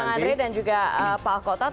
masih dengan bang andri dan juga pak alkotot